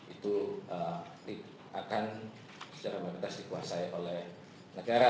itu akan secara mayoritas dikuasai oleh negara